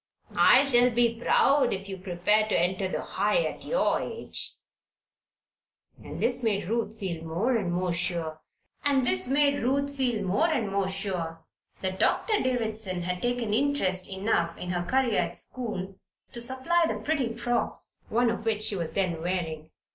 I shall be proud if you prepare to enter the High at your age." And this made Ruth feel more and more sure that Doctor Davison had taken interest enough in her career at school to supply the pretty frocks, one of which she was then wearing.